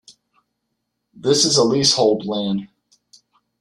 This is leasehold land.